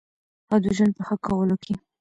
او د ژوند په ښه کولو کې